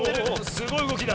すごいうごきだ。